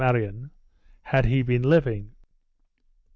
Marion, had he been living.